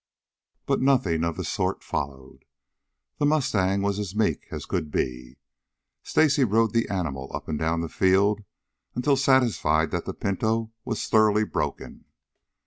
But nothing of the sort followed. The mustang was as meek as could be. Stacy rode the animal up and down the field until satisfied that the pinto was thoroughly broken.